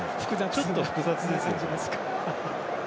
ちょっと複雑ですね。